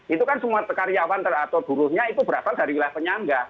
itu kan semua karyawan atau buruhnya itu berasal dari wilayah penyangga